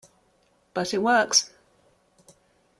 But it works.